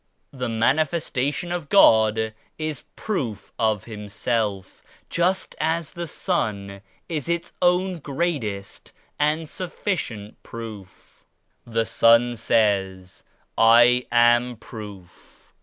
The Mani festation of God is proof of Himself, just as the sun is its own greatest and sufficient proof. The sun says *I am proof.'